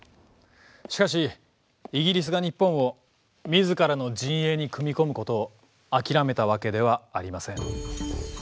しかしイギリスが日本を自らの陣営に組み込むことを諦めたわけではありません。